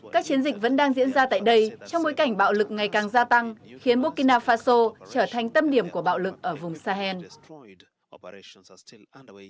các chiến dịch vẫn đang diễn ra tại đây trong bối cảnh bạo lực ngày càng gia tăng khiến burkina faso trở thành tâm điểm của bạo lực ở vùng sahel